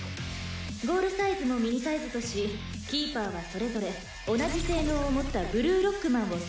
「ゴールサイズもミニサイズとしキーパーはそれぞれ同じ性能を持ったブルーロックマンを採用」